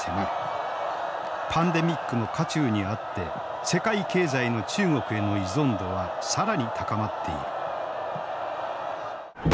パンデミックの渦中にあって世界経済の中国への依存度は更に高まっている。